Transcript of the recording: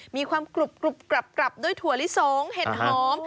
มีความกรุบกรับด้วยถั่วลิสงเห็ดหอม